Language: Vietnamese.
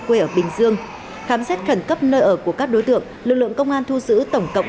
quê ở bình dương khám xét khẩn cấp nơi ở của các đối tượng lực lượng công an thu giữ tổng cộng